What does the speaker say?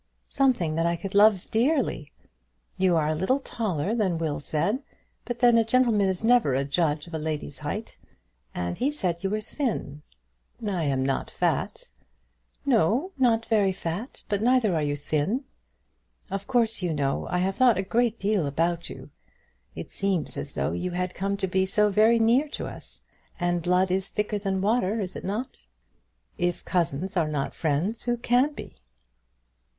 "Something that I could love very dearly. You are a little taller than what Will said; but then a gentleman is never a judge of a lady's height. And he said you were thin." "I am not very fat." "No; not very fat; but neither are you thin. Of course, you know, I have thought a great deal about you. It seems as though you had come to be so very near to us; and blood is thicker than water, is it not? If cousins are not friends, who can be?"